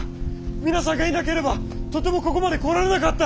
皆さんがいなければとてもここまで来られなかった！